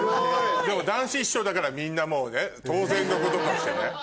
でも談志師匠だからみんなもうね当然のこととしてね。